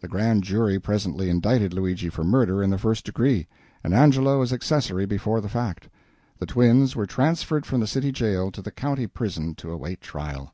The grand jury presently indicted Luigi for murder in the first degree, and Angelo as accessory before the fact. The twins were transferred from the city jail to the county prison to await trial.